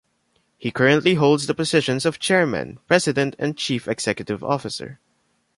He currently holds the positions of Chairman, President and Chief Executive Officer.